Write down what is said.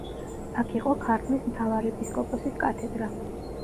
აქ იყო ქართლის მთავარეპისკოპოსის კათედრა.